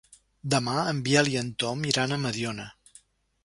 Demà en Biel i en Tom iran a Mediona.